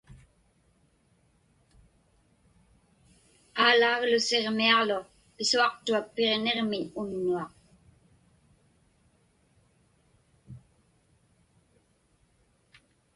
Aalaaglu Siġmiaġlu pisuaqtuak Piġniġmiñ unnuaq.